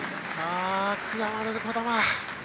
悔やまれる児玉。